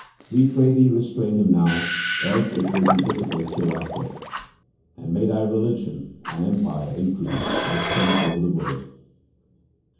We pray thee restrain him now, else it will be difficult hereafter. And may thy religion and empire increase and extend over the world